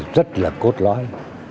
rất là cốt lõi